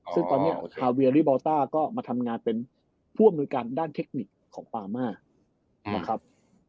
ซึ่งตอนนี้ฮาเวียริบอลต้าก็มาทำงานเป็นผู้อำนวยการด้านเทคนิคของปามานะครับ